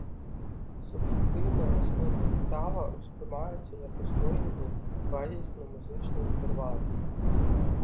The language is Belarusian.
Суб'ектыўна на слых актава ўспрымаецца як ўстойлівы, базісны музычны інтэрвал.